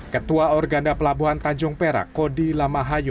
ketua organda pelabuhan tanjung perak kodi lamahayu